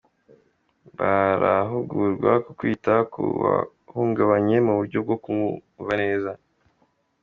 Barahugurwa ku kwita ku wahungabanye mu buryo bwo kumwumva neza.